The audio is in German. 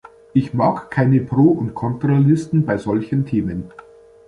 Ich mag keine Pro und Kontra Listen bei solchen Themen.